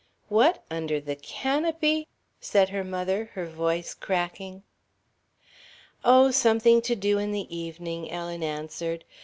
"What under the canopy " said her mother, her voice cracking. "Oh, something to do in the evening," Ellen answered.